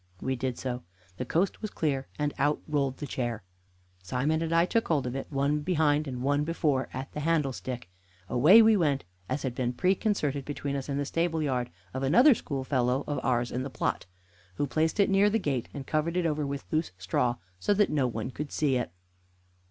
We did so. The coast was clear, and out rolled the chair. Simon and I took hold of it, one behind and one before at the handle stick. Away we went, as had been preconcerted between us in the stable yard of another schoolfellow of ours in the plot, who placed it near the gate and covered it over with loose straw, so that no one could see it.